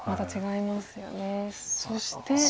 そして。